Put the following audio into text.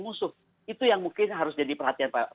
musuh itu yang mungkin harus jadi perhatian pak